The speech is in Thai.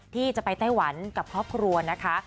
ที่จะไปไต้หวันกับครอบครัวนะคะ